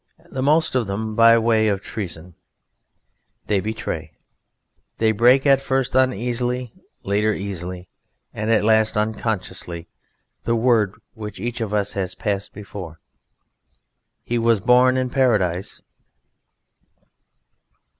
The most of them by way of treason. They betray. They break at first uneasily, later easily, and at last unconsciously, the word which each of us has passed before He was born in Paradise.